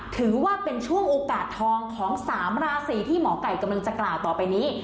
ถือว่าเป็นช่วงโอกาสทองของ๓ราศีที่หมอไก่กำลังจะกล่าวต่อไปนี้